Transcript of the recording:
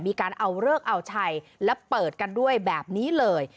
มีการเอาเลิกเอาชัยและเปิดกันด้วยแบบนี้เลย